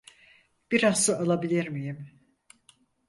Biraz su alabilir miyim?